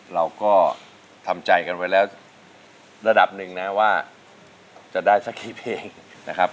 เราก็ทำใจกันไว้แล้วระดับหนึ่งนะว่าจะได้สักกี่เพลงนะครับ